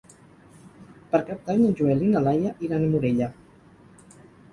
Per Cap d'Any en Joel i na Laia iran a Morella.